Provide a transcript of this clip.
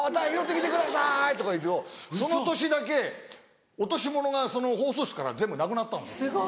拾って来てください」とか言うとその年だけ落とし物がその放送室から全部なくなったんですよ。